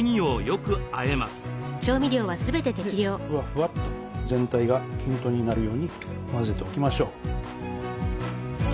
ふわふわっと全体が均等になるように混ぜておきましょう。